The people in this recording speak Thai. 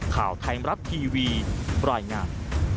ข่าวไทม์รับทีวีปล่อยงาม